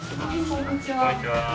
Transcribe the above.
こんにちは。